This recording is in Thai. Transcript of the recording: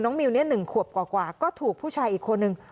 น้องมิวนี่๑ขวบกว่ากว่าก็ถูกผู้ชายอีกคนหนึ่ง